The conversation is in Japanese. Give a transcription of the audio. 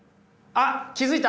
あっ気付いた？